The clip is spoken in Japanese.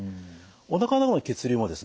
おなかの方の血流もですね